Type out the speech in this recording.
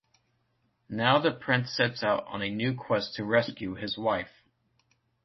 Now the prince sets out on a new quest to rescue his wife.